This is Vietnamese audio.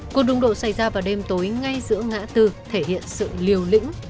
cuộc đúng độ xảy ra vào đêm tối ngay giữa ngã tư thể hiện sự liều lĩnh